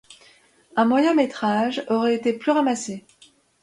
Le moyen métrage aurait été plus ramassé.